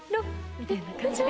みたいな感じで。